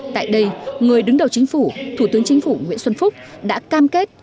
tại đây người đứng đầu chính phủ thủ tướng chính phủ nguyễn xuân phúc đã cam kết